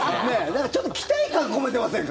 ちょっと期待感込めてませんか？